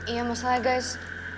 iya masalahnya guys